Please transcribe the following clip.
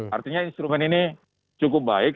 artinya instrumen ini cukup baik